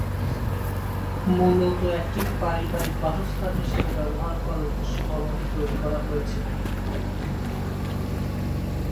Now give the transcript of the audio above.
মূলত একটি পারিবারিক বাসস্থান হিসাবে ব্যবহার করার উদ্দেশ্যে ভবনটি তৈরি করা হয়েছিল।